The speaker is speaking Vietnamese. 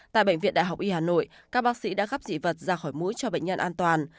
tại bệnh viện đại học y hà nội các bác sĩ đã gấp dị vật ra khỏi mũi cho bệnh nhân an toàn